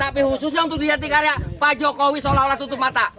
tapi khususnya untuk di jatikarya pak jokowi seolah olah tutup mata